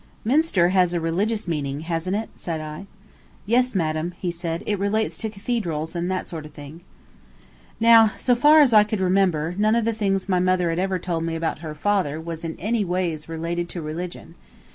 "Minster has a religious meaning, hasn't it?" said I. "Yes, madam," said he; "it relates to cathedrals and that sort of thing." Now, so far as I could remember, none of the things my mother had ever told me about her father was in any ways related to religion.